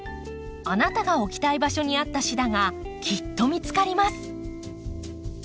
あなたが置きたい場所に合ったシダがきっと見つかります。